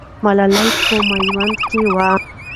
ملالۍ په میوند کې وه.